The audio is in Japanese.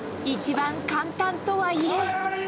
一番簡単とはいえ。